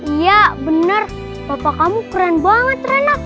iya bener papa kamu keren banget rena